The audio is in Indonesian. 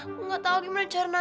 aku gak tau gimana caranya